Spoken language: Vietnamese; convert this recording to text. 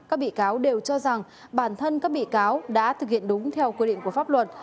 các bị cáo đều cho rằng bản thân các bị cáo đã thực hiện đúng theo quy định của pháp luật